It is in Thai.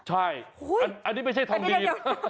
ใช่อันนี้ไม่ใช่ทำดี